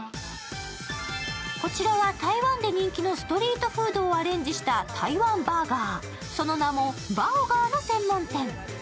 こちらは、台湾で人気のストリートフードをアレンジした台湾バーガー、その名もバオガーの専門店。